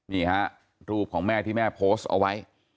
นี่ฮะรูปของแม่ที่แม่โพสต์เอาไว้